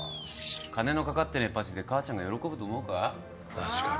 金のかかってねえパチで母ちゃんが喜ぶと思うか？